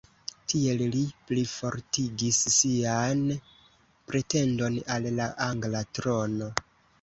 Tiel li plifortigis sian pretendon al la angla trono.